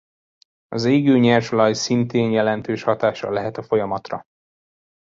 Az égő nyersolaj szintén jelentős hatással lehet a folyamatra.